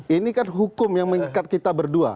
ini kan hukum yang mengikat kita berdua